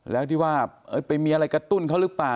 แล้วที่ว่าไปมีอะไรกระตุ้นเขาหรือเปล่า